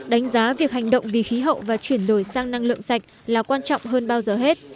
đánh giá việc hành động vì khí hậu và chuyển đổi sang năng lượng sạch là quan trọng hơn bao giờ hết